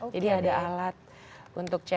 jadi ada alat untuk ceknya